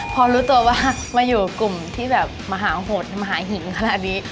พอรู้ตัวว่ามาอยู่กลุ่มที่แบบมหาโหดมหาหินขนาดนี้